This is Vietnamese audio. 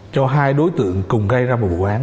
cho hai đối tượng cùng gây ra một vụ án